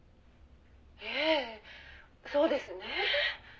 「ええそうですね」